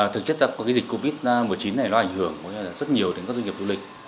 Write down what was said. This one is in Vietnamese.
thực chất là dịch covid một mươi chín này nó ảnh hưởng rất nhiều đến các doanh nghiệp du lịch